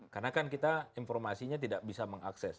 karena kan kita informasinya tidak bisa mengakses